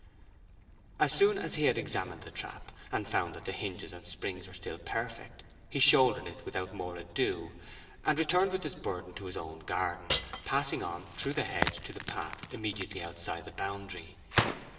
As soon as he had examined the trap, and found that the hinges and springs were still perfect, he shouldered it without more ado, and returned with his burden to his own garden, passing on through the hedge to the path immediately outside the boundary.